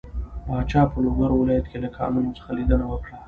پاچا په لوګر ولايت له کانونو څخه ليدنه وکړه.